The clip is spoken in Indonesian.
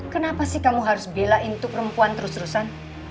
kenapa sih kamu harus bilang itu perempuan terus terusan